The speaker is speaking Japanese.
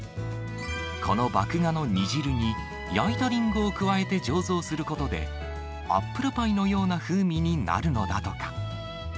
この麦芽の煮汁に、焼いたリンゴを加えて醸造することで、アップルパイのような風味になるのだとか。